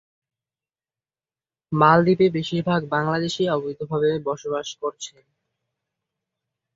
মালদ্বীপে বেশির ভাগ বাংলাদেশী অবৈধভাবে বসবাস করছে।